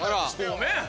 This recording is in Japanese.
ごめん！